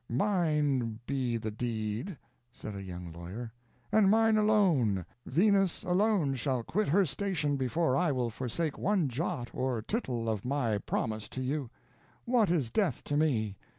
"Mine be the deed," said a young lawyer, "and mine alone; Venus alone shall quit her station before I will forsake one jot or tittle of my promise to you; what is death to me?